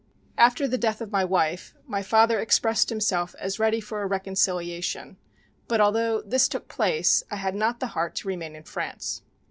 "After the death of my wife my father expressed himself as ready for a reconciliation, but although this took place I had not the heart to remain in France.